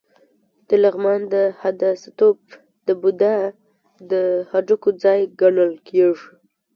د لغمان د هده ستوپ د بودا د هډوکو ځای ګڼل کېږي